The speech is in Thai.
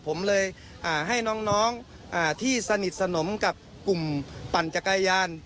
ผมเลยให้น้องที่สนิทสนมกับกลุ่มปั่นจักรยาน